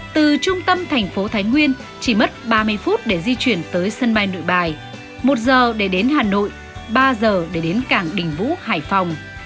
từ trung tâm thành phố thái nguyên chỉ mất ba mươi phút để di chuyển tới sân bay nội bài một giờ để đến hà nội ba giờ để đến cảng đình vũ hải phòng